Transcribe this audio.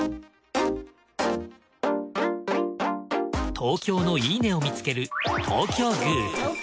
東京のいいね！を見つける。